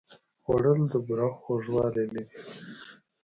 خوړل د بوره خوږوالی لري